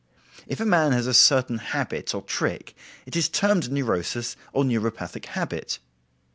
If a man has a certain habit or trick, it is termed a neurosis or neuropathic habit.